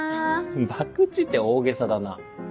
博打って大げさだな。